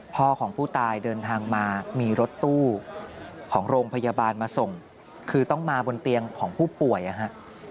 พ่อของผู้ตายเดินทางมามีรถตู้ของโรงพยาบาลมาส่งคือต้องมาบนเตียงของผู้ป่วยนะฮะ